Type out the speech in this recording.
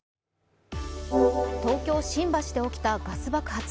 東京・新橋で起きたガス爆発。